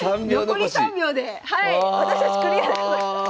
残り３秒で私たちクリアでございます！